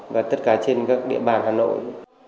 và tất cả trên các địa bàn hà nội